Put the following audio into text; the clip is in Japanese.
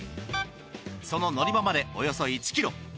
その乗り場までおよそ１ｋｍ。